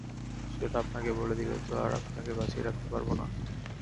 সেটা আপনাকে বলে দিলে তো আর আপনাকে বাঁচিয়ে রাখতে পারবো না।